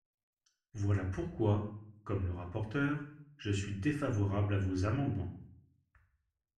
Voilà pourquoi, comme le rapporteur, je suis défavorable à vos amendements.